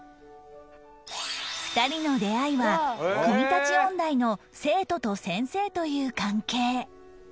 ２人の出会いは国立音大の生徒と先生という関係